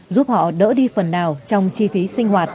giúp họ đỡ đi phần nào trong chi phí sinh hoạt